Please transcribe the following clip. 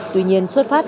tuy nhiên xuất phát từ